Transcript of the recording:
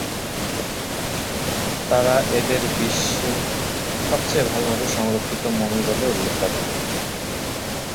তারা এদের বিশ্বে সবচেয়ে ভালোভাবে সংরক্ষিত মমি বলে উল্লেখ করেন।